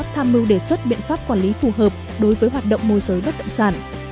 tham mưu đề xuất biện pháp quản lý phù hợp đối với hoạt động môi giới bất động sản